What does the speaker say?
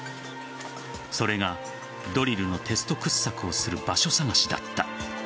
それがドリルのテスト掘削をする場所探しだった。